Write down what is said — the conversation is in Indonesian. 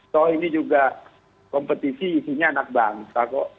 so ini juga kompetisi isinya anak bangsa kok